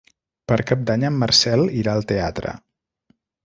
Per Cap d'Any en Marcel irà al teatre.